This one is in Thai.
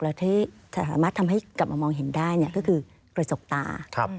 แล้วที่สามารถทำให้กลับมามองเห็นได้ก็คือกระจกตา